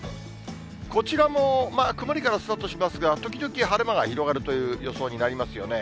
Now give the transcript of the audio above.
こちらも曇りからスタートしますが、時々晴れ間が広がるという予想になりますよね。